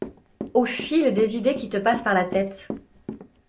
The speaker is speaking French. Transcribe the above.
Au fil des idées qui te passent par la tête.